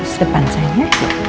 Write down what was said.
terus depan saya ya